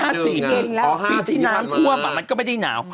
ปีที่น้ำคว่ำมันก็ไม่ได้หนาว